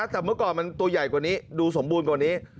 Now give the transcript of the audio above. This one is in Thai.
แต่เมื่อก่อนมันตัวใหญ่กว่านี้ดูสมบูรณ์กว่านี้